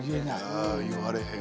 あ言われへん。